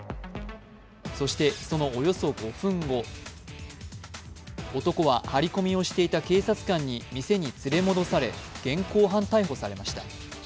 そして、そのおよそ５分後男は張り込みをしていた警察官に店に連れ戻され現行犯逮捕されました。